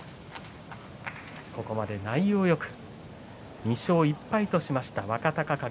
ここまで内容よく２勝１敗としました若隆景。